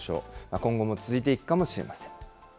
今後も続いていくかもしれません。